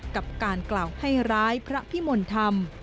กับการกล่าวให้ร้ายพระพิมลธรรม